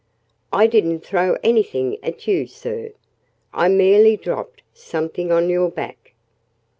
"I didn't throw anything at you, sir. I merely dropped something on your back."